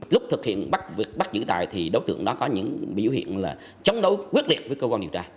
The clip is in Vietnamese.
lúc thực hiện bắt giữ tài đối tượng có những biểu hiện chống đấu quyết liệt với cơ quan điều tra